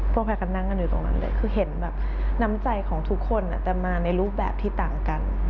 แพทย์ก็นั่งกันอยู่ตรงนั้นเลยคือเห็นแบบน้ำใจของทุกคนแต่มาในรูปแบบที่ต่างกัน